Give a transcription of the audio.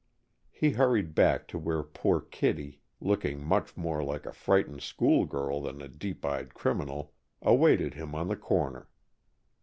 He hurried back to where poor Kittie, looking much more like a frightened school girl than like a deep dyed criminal, awaited him on the corner.